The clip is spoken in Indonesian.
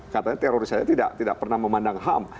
katanya teroris saja tidak pernah memandang ham